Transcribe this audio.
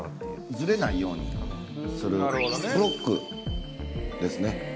ずれないようにするブロックですね。